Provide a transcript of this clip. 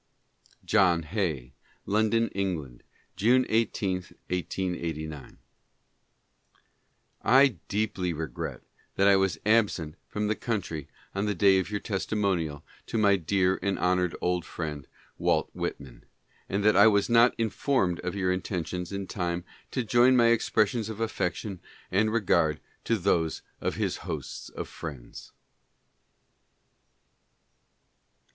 John Hay: London, England, June iS, 18S9. I deeply regret that I was absent from the country on the day of your testimonial to my dear and honored old friend, Walt Whitman, and that I was not informed of your intentions in time to join my expressions of affection and regard to those of his hosts of friends.